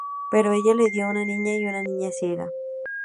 Pero ella le dio una niña y una niña ciega.